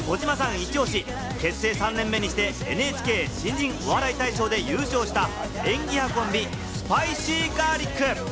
イチオシ、結成３年目にして『ＮＨＫ新人お笑い大賞』で優勝した、演技派コンビ・スパイシーガーリック！